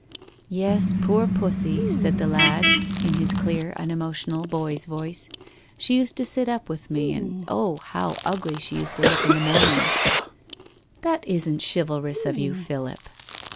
* Yes, poor Puss) ,' said the lad in his clear unemotional hoy's voice. ' She used to sit up with me, and oh ! how ugly she used to look in the mornings !'' That isn't chivalrous of you, Philip.'